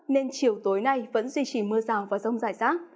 nên chiều tối nay vẫn duy trì mưa rào và rông rải rác